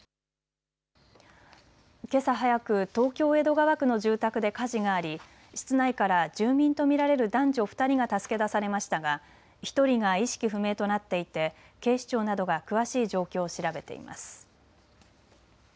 けさ早く、東京江戸川区の住宅で火事があり室内から住民と見られる男女２人が助け出されましたが１人が意識不明となっていて警視庁などが詳しい状況を調べています。